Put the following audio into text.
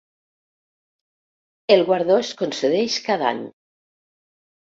El guardó es concedeix cada any.